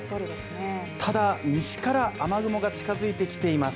ただ、西から雨雲が近づいてきています。